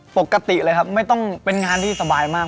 ปกติเลยครับไม่ต้องเป็นงานที่สบายมาก